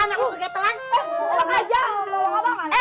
eh jangan sampai